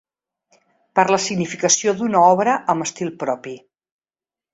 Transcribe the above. Per la significació d’una obra amb estil propi.